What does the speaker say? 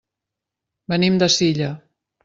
Venim de Silla.